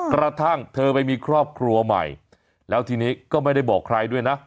กระทั่งเธอไปมีครอบครัวใหม่แล้วทีนี้ก็ไม่ได้บอกใครด้วยนะ